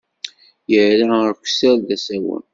Irra akesser d asawen.